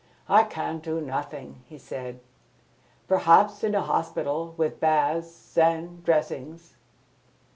"I can do nothing," he said. "Perhaps, in a hospital, with baths and dressings